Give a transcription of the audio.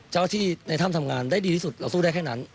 เจ้าที่ในถ้ำทำงานได้ดีที่สุดเราสู้ได้แค่นั้น